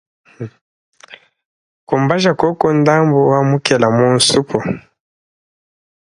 Kumbaja koku ndambu wa mukela mu nsupu.